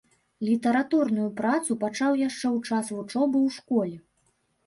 Літаратурную працу пачаў яшчэ ў час вучобы ў школе.